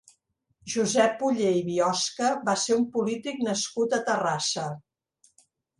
Josep Oller i Biosca va ser un polític nascut a Terrassa.